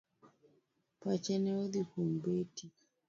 Pache ne odhi kuom Betty.